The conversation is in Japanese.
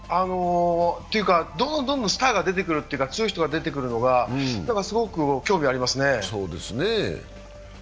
どんどんスターが出てくるというか、強い人が出てくるのがすごく興味ありますね。